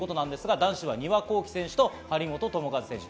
男子は丹羽孝希選手と張本智和選手。